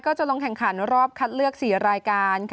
จะลงแข่งขันรอบคัดเลือก๔รายการ